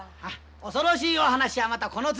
恐ろしいお話はまたこの次。